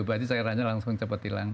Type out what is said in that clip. jadi cairannya langsung cepat hilang